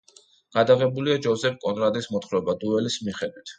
გადაღებულია ჯოსეფ კონრადის მოთხრობა „დუელის“ მიხედვით.